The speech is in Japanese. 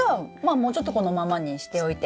もうちょっとこのままにしておいて。